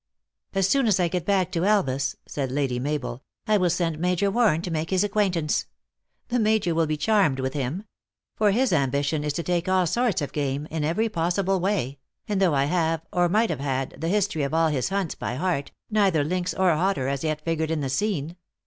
" As soon as I get back to Elvas," said Lady Mabel, " I will send Major Warren to make his acquaintance. The major will be charmed with him. For his am bition is to take all sorts of game, in every possible way ; and though I have, or might have had, the his tory of all his hunts by heart, neither lynx or otter has yet figured in the scene.